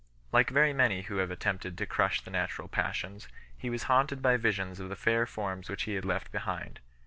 Like very many who have attempted to crush the natural passions, he was haunted by visions of the fair forms which he had left behind.